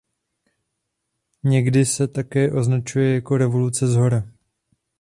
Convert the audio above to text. Někdy se také označuje jako „revoluce shora“.